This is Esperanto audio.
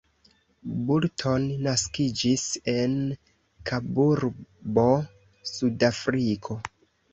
Burton naskiĝis en Kaburbo, Sudafriko.